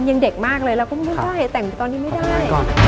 เราก็ไม่ได้แต่งตอนนี้ไม่ได้